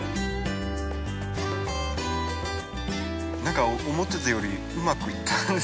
何か思ってたよりうまくいったんですけど。